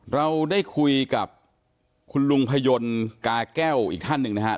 เราได้คุยกับคุณลุงพยนต์กาแก้วอีกท่านหนึ่งนะครับ